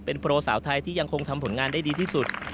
เป็นโปรสาวไทยที่ยังคงทำผลงานได้ดีที่สุด